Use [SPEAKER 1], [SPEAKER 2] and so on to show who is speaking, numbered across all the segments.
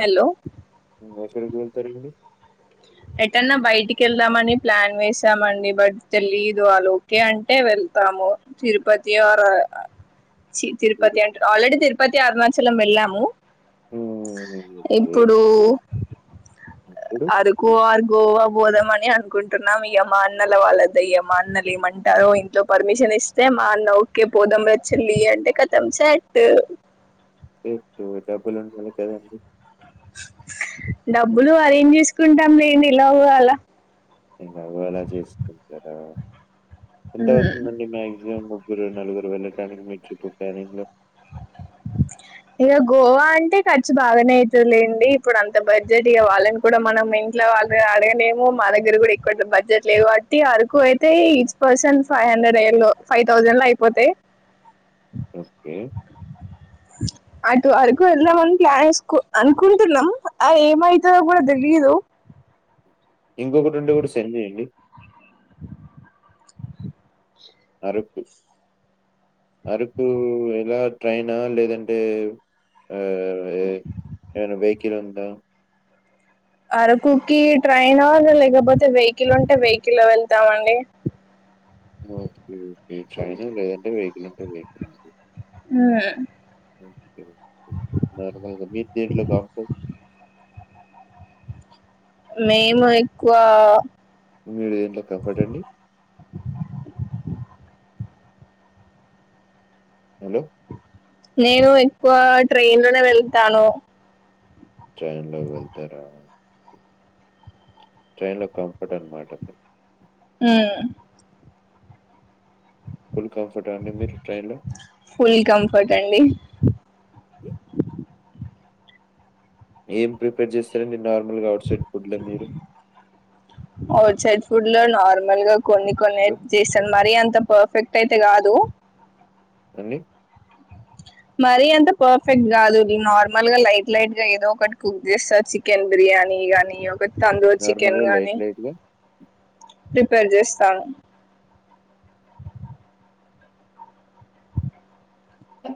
[SPEAKER 1] Hello
[SPEAKER 2] ఎక్కడికి వెళ్తరిప్పుడు
[SPEAKER 1] ఎటన్నా బయటికి వెళ్దామని ప్లాన్ వేసామండి బట్ తెలియదు వాళ్ళు ఓకే అంటే వెళ్తాం ము తిరుపతి ఆర్ చి
[SPEAKER 2] మీరు
[SPEAKER 1] తిరుపతి అంటు ఆల్రెడీ తిరుపతి అరుణాచలం వెళ్ళాము
[SPEAKER 2] హ్మ్. ఓకే.
[SPEAKER 1] ఇప్పుడు
[SPEAKER 2] ఇప్పుడు
[SPEAKER 1] అరు కోవార్ గోవా బోదామ అని అనుకుంటున్నాం ఇగ మా అన్నల వాళ్ళద్దయ మా అన్నలు ఏమంటారో ఇంట్ల పర్మిషన్ ఇస్తే మా అన్న ఓకే పోదం రా చెల్లి అంటే కథం సట్టు
[SPEAKER 2] ఎటు డబ్బులు ఉండాలి కదండి
[SPEAKER 1] డబ్బులు అది ఏం చేసుకుంటాం లేండి లోకం లో
[SPEAKER 2] [unintelligible] చేస్తుంటారా ఎంత
[SPEAKER 1] ఉమ్
[SPEAKER 2] అవుతుందండి మాక్సిమం ముగ్గురు నాలుగురు వెళ్ళడానికి మేం ట్రిప్ కి ప్లాన్ ఎసినం
[SPEAKER 1] ఇక గోవా అంటే ఖర్చు బాగానే అవుతలేండి ఇప్పుడు అంత బడ్జెట్ ఇక వాళ్ళని కూడా మనం ఇంట్లో వాళ్ళు అడగనేము మా దగ్గర కూడా ఎక్కువ బడ్జెట్ లేవు బట్టి అరకు అయితే ఈచ్ పర్సన్ ఫైవ్ హండ్రెడ్ ట్రైన్లో ఫైవ్ థౌజండ్ లో అయిపోతేయి
[SPEAKER 2] ఓకే
[SPEAKER 1] అటు ఆరకు వెళ్దామని ప్లాన్ చేసుకో అనుకుంటున్నాం ఆ ఏమైతుందో కూడా దే లీదు
[SPEAKER 2] ఇంకొకటి ఉండే కూడా సేంద్చేయండి అరకు అరకు ఎలా ట్రైనా లేదంటే ఆ ఏం అన్న వెహికల్ ఉందా
[SPEAKER 1] అరకుకి ట్రైన్వ లేకపోతే వెహికల్ ఉంటే వెహికల్ వెళ్తామండి
[SPEAKER 2] ఓకే అండి ట్రైన్ లేదు అంటే వెహికల్ ఉంటుంది నార్మల్గా మీకు దేంట్లో బాగు [unintelligible]
[SPEAKER 1] మేము ఎక్కువ
[SPEAKER 2] మీరు దేంట్లో కఫర్ట అండి హలో
[SPEAKER 1] నేను ఎక్కువ ట్రైన్ లోనే వెళ్తాను
[SPEAKER 2] టైన్లో వెళ్తేరా ట్రైన్ లో కంఫర్ట్ అన్నమాట
[SPEAKER 1] ఉమ్
[SPEAKER 2] ఫుల్ కంఫర్టా అండి మీరు ట్రైన్‌లో?
[SPEAKER 1] ఫుల్ కంఫర్ట్ అండి
[SPEAKER 2] ఏం ప్రిపేర్ చేస్తారండి నార్మల్గా అఔట్సైడ్ ఫుడ్ల మీరు
[SPEAKER 1] ఔట్సైడ్ సైడ్ ఫుడ్ లో నార్మల్ గా కొన్ని కొనే
[SPEAKER 2] హలో!
[SPEAKER 1] చేస్తాను మరి అంత పర్ఫెక్ట్ అయితే కాదు
[SPEAKER 2] అండి
[SPEAKER 1] మరి అంత పర్ఫెక్ట్ కాదు నార్మల్ గా లైట్ లైట్ గా ఏదో ఒకటి కుక్ చేస్తారు చికెన్ బిర్యా నీ గానీ ఒక తందుూర చికెన్
[SPEAKER 2] నార్మల్‌గా లైట్
[SPEAKER 1] గాని
[SPEAKER 2] లైట్‌గా?
[SPEAKER 1] ప్రిపేర్ చేస్తా
[SPEAKER 2] అ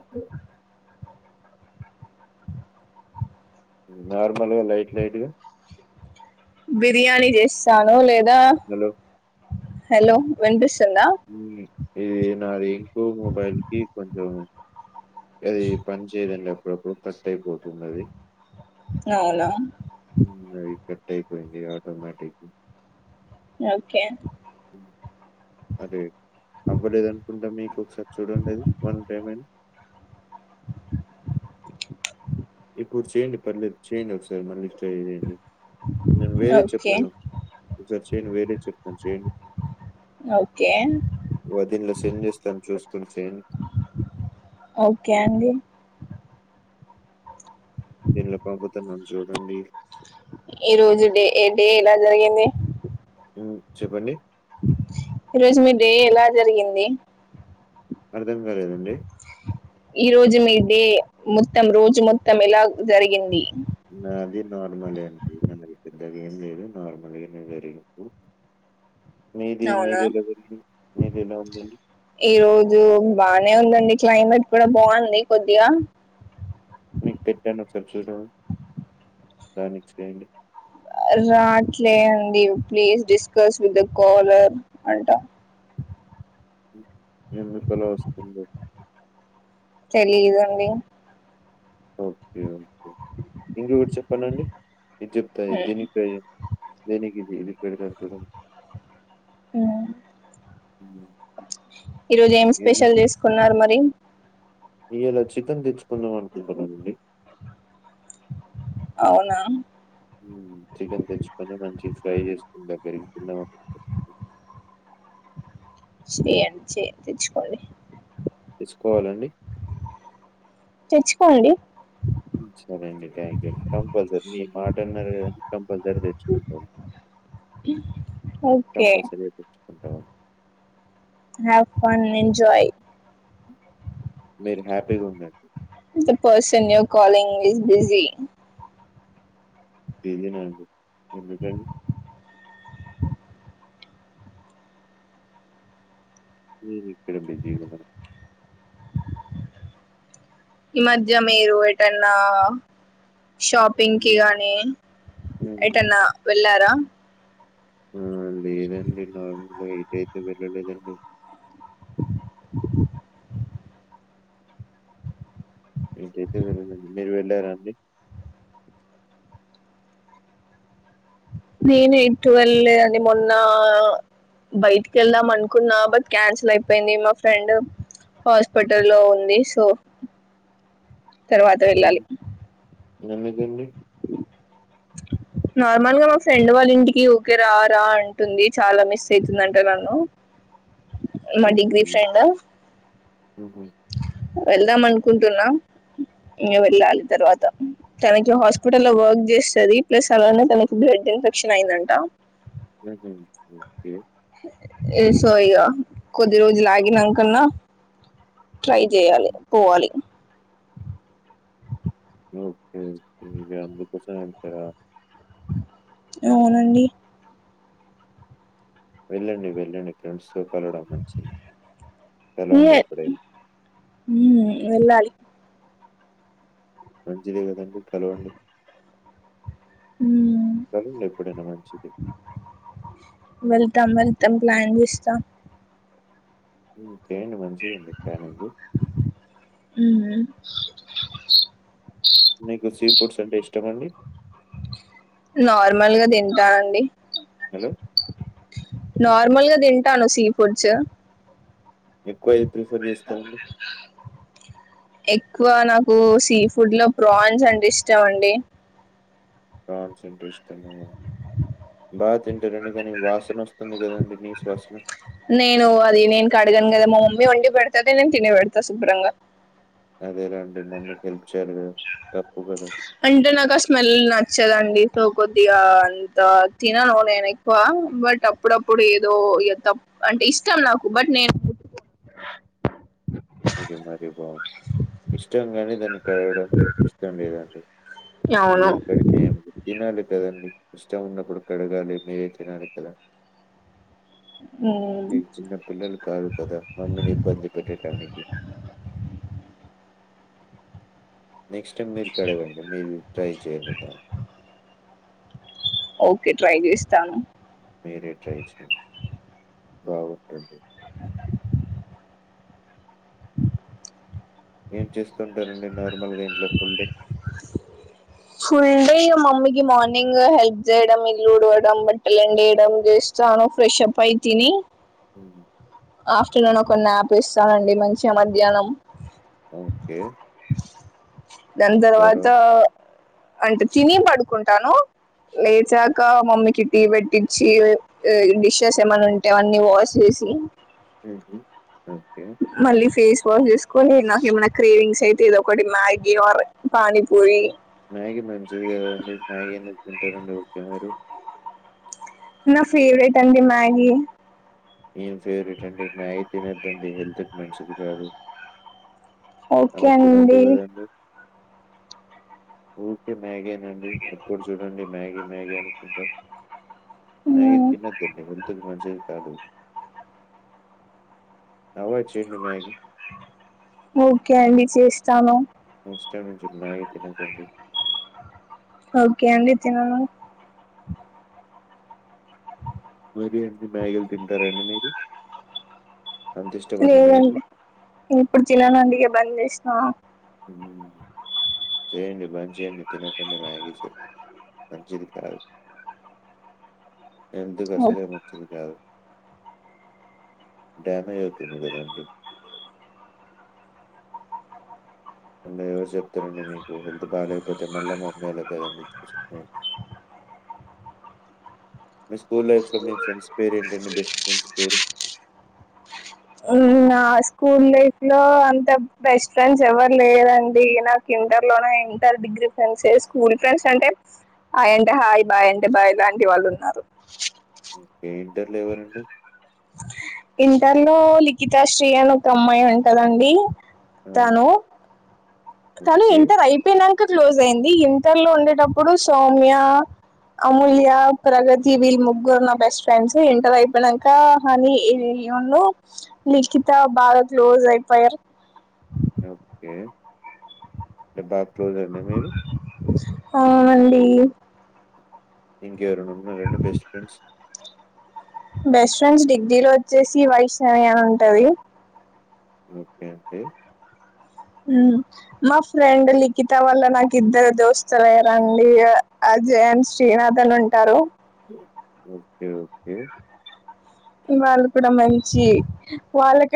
[SPEAKER 2] నార్మల్గా లైట్ లైట్గా
[SPEAKER 1] బిర్యానీ చేస్తాను లేదా
[SPEAKER 2] హలో!
[SPEAKER 1] హలో వినిపిస్తు ందా
[SPEAKER 2] హ్మ్. ఇది నాది ఇంకో మొబైల్ కి కొం అది పని చేయడండి అప్పుడప్పుడు కష్టట్ అయిపోతుంటాది
[SPEAKER 1] అవునా
[SPEAKER 2] అవి కట్ అయిపోయింది ఆటోమేటిక్
[SPEAKER 1] ఓకే
[SPEAKER 2] హ్మ్. అదే అవ్వలేదు అనుకుంటా మీకు ఒకసారి చూడండిది వన్ పేమెంట్ అని ఇప్పుడు చేయండి పర్లేదు చేయండి ఒకసారి మళ్ళీ ట్రై చేయండి నేను వేరే
[SPEAKER 1] ఓకే
[SPEAKER 2] చెప్తాను ఒకసారి చేయయండి వేరే చెప్తాను చేయండి
[SPEAKER 1] ఓకే
[SPEAKER 2] వదీనిలో సెండ్ చేస్తాను చూసుకుని చేయండి
[SPEAKER 1] ఓకే అండి
[SPEAKER 2] దీనిలో పాంపతన్నాను చూడండి
[SPEAKER 1] ఈ రోజు డే ఏ డే ఇలా జరిగింది
[SPEAKER 2] హ్మ్ చెప్పండి
[SPEAKER 1] ఈరోజు మీరు ఎలా జరిగింది
[SPEAKER 2] అర్థం గాలేదండి
[SPEAKER 1] ఈ రోజు మీ డే మొత్తం రోజు మొత్తం ఎలా జరిగింది?
[SPEAKER 2] నాది నార్మలే అండి ఏమున్నది పెద్దగేం లేదు నార్మల్గనే జరిగి ఇపుడు
[SPEAKER 1] అవునా
[SPEAKER 2] మీదెలా ఉందండి?
[SPEAKER 1] ఈరోజు బానే ఉందండి క్లైమేట్ కూడ బాగుంది కొద్దిగా
[SPEAKER 2] చెప్ చూద్దామ్ దానికి చేయండి
[SPEAKER 1] రాట్లే అండి please discuss with the caller అంట
[SPEAKER 2] ఉమ్ ఎందుకలా వస్తుందొ
[SPEAKER 1] తెలీదండి
[SPEAKER 2] ఓకే ఓకే ఇంగొకటి చెప్పనా అండి ఇద్ జెప్తా దీనికి ట్రై జేయండి దేనికి ఇది మిక్ పెడతాను చూడండి
[SPEAKER 1] ఉమ్,
[SPEAKER 2] హ్మ్.
[SPEAKER 1] ఈరోజు ఏం
[SPEAKER 2] ఏమని?
[SPEAKER 1] స్పెషల్ జెస్కున్నారు మరి
[SPEAKER 2] ఇయాల చికెన్ తెచ్చుకుందాం అనుకుంటున్నాండి
[SPEAKER 1] అవునా
[SPEAKER 2] ఉమ్ చికెన్ దెచ్చుకొని మంచి ఫ్రై చేస్కోని దగ్గరికి తిందా [inaudible]
[SPEAKER 1] శ్రేయాన్షి తెచ్చుకొని
[SPEAKER 2] చ్చుకోవాలండి
[SPEAKER 1] తెచ్చుకోండి
[SPEAKER 2] సరే అండి థ్యాంక్ యూ కంపల్సరీ మీ మాటన్నరు కదండి కంపల్సరీ తెచ్చుకుంటమ్
[SPEAKER 1] ఓకే
[SPEAKER 2] కపల్సరిగ తెచ్చుకుంటామన్
[SPEAKER 1] we have fun and joy
[SPEAKER 2] మీరు హ్యాపీగుండడి
[SPEAKER 1] the person you are calling is busy
[SPEAKER 2] busy నా అండి, ఎందుకండి? నేనెక్కడ బిజీ ఉన్నానన్
[SPEAKER 1] ఈ మధ్య మీరు ఎటన్నా షాపింగ్కి
[SPEAKER 2] ఉమ్,
[SPEAKER 1] గానీ,
[SPEAKER 2] ఉమ్,
[SPEAKER 1] ఎటన్నా వెళ్ళారా?
[SPEAKER 2] ఆ లేదండి నార్మల్గా ఏటైతే వెళ్ళలేదండి ఏటైతే వెళ్ళలేదండి మీరు వెళ్ళారా అండి?
[SPEAKER 1] నేనెటు వెళ్ళలేదండి మొన్నా బయ్టికి ఎళ్దామనుకున్నా బట్ క్యాన్సిల్ అయిపోయింది మా ఫ్రెండ్ హాస్పటల్లో ఉంది సో తర్వాత వెళ్ళాలి
[SPEAKER 2] గందుకండి
[SPEAKER 1] నార్మల్ గా మా ఫ్రెండ్ వాలింటికి ఊకే రా రా అంటుంది చాలా మిస్ అయితుందంట నన్ను మా డిగ్రీ ఫ్రెండ్
[SPEAKER 2] ఉమ్ హు
[SPEAKER 1] ఎళ్దామనుకుంటున్నా ఇంగ వెళ్ళాలి తర్వాత. తనిట్ల హాస్పిటల్లో వర్క్ చేస్తది, ప్లస్ అలానే తనకి బ్లడ్ ఇన్ఫెక్షన్ అయిందంట.
[SPEAKER 2] ఉమ్ హు, ఓకె
[SPEAKER 1] ఏ సో ఇగా కొద్ది రోజులాగినంకన్నా ట్రై జేయాలి,
[SPEAKER 2] ఉహు,
[SPEAKER 1] పోవాలి
[SPEAKER 2] ఓకే ఇగ అందుకోసం ఎల్తరా
[SPEAKER 1] అవునండి
[SPEAKER 2] వెళ్ళండి వెళ్ళండి ఫ్రెండ్స్ తో వేలడం మంచిది వెళ్లండి
[SPEAKER 1] ఏ
[SPEAKER 2] ఇప్పుడే
[SPEAKER 1] మ్మ్ వెళ్ళాలి
[SPEAKER 2] మంచిదే కదండి కలవండి
[SPEAKER 1] మ్మ్
[SPEAKER 2] కలలే ఎప్పుడైనా మంచించిది
[SPEAKER 1] తం వెళ్తాం ప్లాన్ చేస్తాం
[SPEAKER 2] ఉమ్ చేయండి మంచిగా ఉంది ప్యానింగు
[SPEAKER 1] మ్మ్
[SPEAKER 2] మీకు సీ ఫుడ్స్ అంటే ఇష్టమ అండి
[SPEAKER 1] నార్మల్గా తింటానండి
[SPEAKER 2] హలో
[SPEAKER 1] నార్మల్ గా తింటాను సీ ఫుడ్స్
[SPEAKER 2] ఎక్కువ ఏది ప్రిఫర్ చేస్తారండి
[SPEAKER 1] ఎక్కువ నాకు సీ ఫుడ్ లో ప్రాన్స్ అంటే ఇష్టాం అండి
[SPEAKER 2] ఫ్రాన్స్ అంటే ఇష్టమా బాగా తింటారండి కానీ వాసన వస్త గదండీ! నీసు
[SPEAKER 1] నేను అది నేను కడగను కదా మా మమ్మీ వండి పెడతాది నేను తిని పెడతా శుభ్రంగా
[SPEAKER 2] అదే లెండి మమ్మీకి హెల్ప్ చేయర
[SPEAKER 1] అంటే నాకు ఆ స్మెల్ నచ్చదండి తో కొద్గా అంత తిననో నేను ఎక్కువ బట్ అప్పుడప్పుడు ఏదో తప్పా అంటే ఇష్టం నాకు బట్ నేను
[SPEAKER 2] ఇది మరి బాగుంది ఇష్టంంగాని దాన్ని కడగడం ఇష్టం లేదండి ఇది
[SPEAKER 1] అవును
[SPEAKER 2] ఎక్కడి మే తినాలి కదండి ఇష్టం ఉన్నప్పుడు కడగాలి మీరే తినాలి కదా
[SPEAKER 1] మ్మ్
[SPEAKER 2] మీ చిన్న పిల్లలు కాదు కదా మమ్మీని ఇబ్బంది పెట్టేటాని నెక్స్ట్ టైమ్ మీరు కడగండి మీరు ట్రై చేయండి
[SPEAKER 1] ఓకే ట్రై చేస్తాను
[SPEAKER 2] మీరే ట్రై చేయండి బాగుంటుంది ఏం చేస్తూ ఉంటారంండి నార్మల్గా ఇంట్లో ఫుల్ డే
[SPEAKER 1] ఫుల్ డే మమ్మీకి మార్నింగ్ హెల్ప్ చేయడం ఇల్లు ఉడవడం బట్టలు ఎండేయడం చేస్తాను ఫ్రెష్ అప్ అయి తిని
[SPEAKER 2] ఉ
[SPEAKER 1] ఆఫ్టర్నూన్ కొన్ని న్యాప్ వేస్తానండి మంచిగా మధ్యాహ్నం
[SPEAKER 2] ఓకే
[SPEAKER 1] దని తర్వాత అంటే తిని పడుకుంటాను లేచాక మమ్మీకి టీ పెట్టించి డిషెస్ ఏమైన్నా ఉంటే అన్నీ వాష్ చేసి
[SPEAKER 2] హుహు. ఓకే.
[SPEAKER 1] మళ్ళీ ఫేస్ క్ చేసుంని నాకేమైనా క్రేవింగ్స్ అయితే ఏదో ఒకటి మ్యాగీ పానీపూరి
[SPEAKER 2] మ్యాగీ మంచిది కాదండి మ్యాగీ ఎందుకు తింటారండి ఉకే మీరు
[SPEAKER 1] నా ఫేవరెట్ అండి మ్యాగి
[SPEAKER 2] ఏం ఫేవరెట్ అండి మ్యాగీ తినద్దండి హెల్త్కి మంచిది కాదు
[SPEAKER 1] ఓకే అండి
[SPEAKER 2] ఓకే మ్యాగీనండి ఎప్పుడు చూడండి మ్యాగీ మ్యాగీ అనుకుంట మ్యాగీ
[SPEAKER 1] మ్మ్.
[SPEAKER 2] తిన్నద్దు అండి హెల్త్ కి మంచి కాదు అవాయిడ్ చేయండి మ్యాగీ
[SPEAKER 1] ఒకే అండి చేస్తాను
[SPEAKER 2] నెక్స్ట్ టైమ్ నుంచి మ్యాగీ తినకండి
[SPEAKER 1] ఓకే అండి తినను
[SPEAKER 2] మరి అన్ని మ్యాగీలు తింటారండి మీరు అంత ఇష్టమండి మ్యాగీ
[SPEAKER 1] లేదండి నేను ఇప్పుడు తిననండి బంద్ చేసినా
[SPEAKER 2] [inaudible] చేయండి బంద్ చేయండి మ్యాగిస్ మంచిది కాదు హెల్త్కి అసలే మంచిది కాదు డ్యామేజ్ అవుతుంది కదండి మల్లా ఎవరు చెప్తారంండి మీకు హెల్త్ బాగాలేకపోతే మళ్ళా పంపియాల కదండి చూను మీ స్కూల్ లైఫ్ లో మీ ఫ్రెండ్స్ పేరు ఏంటండి బెస్ట్ ఫ్రెండ్స్ పేరు
[SPEAKER 1] నా స్కూల్ లైఫ్ లో అంత బెస్ట్ ఫ్రెండ్స్ ఎవరు లేరండి నాకు ఇంటర్ లో inter degree friends school friends అంటే హాయి అంటే హాయి బాయ్ అంటే బాయ్ అనే వాళ్ళు ఉన్నారు
[SPEAKER 2] ఓకే ఇంటర్లో ఎవరండి
[SPEAKER 1] ఇంటర్లో లిఖితాశ్రీ అని ఒక అమ్మాయి ఉంటదండి
[SPEAKER 2] ఆ,
[SPEAKER 1] తను తను
[SPEAKER 2] ఓకే
[SPEAKER 1] ఇంటర్ అయిపోయినాక క్లోజ్ అయింది ఇంటర్లో ఉండేటప్పుడు సౌమ్య అమూల్య ప్రగతి వీళ్ళు ముగ్గురు నా బెస్ట్ ఫ్రెండ్స్ ఎంటర్ అయిపోయినాక కానీ ఏ
[SPEAKER 2] మ్మ్.
[SPEAKER 1] లిఖిత బాగా క్లోజ్ అయిపోయారు
[SPEAKER 2] ఓకే ేబ్ బాక్ోజ అండి మీరు
[SPEAKER 1] ఆ అండి
[SPEAKER 2] ఇంక ఎవరన్నా ఉన్నారా బెస్ట్ ఫ్రెండ్స్
[SPEAKER 1] బెస్ట్ ఫ్రెండ్స్ డిగ్రీలో వచ్చేసి వైష్ణవి అని ఉంటది
[SPEAKER 2] ఓకే అండి
[SPEAKER 1] హ్మ్మ్ మా ఫ్రెండ్ లిఖి త వల్ల నాకు ఇద్దరు దోస్తులు అయ్యారండి అజయన్ శ్రీనాథన్ ఉంటారు
[SPEAKER 2] ఓకే ఓకే
[SPEAKER 1] వాళ్ళు కూడా మంచి వాళ్ళక